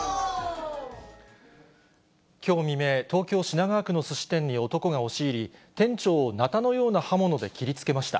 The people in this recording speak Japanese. きょう未明、東京・品川区のすし店に男が押し入り、店長をなたのような刃物で切りつけました。